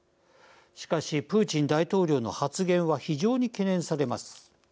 しかし、プーチン大統領の発言は非常に懸念されます。